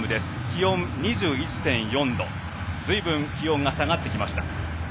気温２１．４度ずいぶん気温が下がってきました。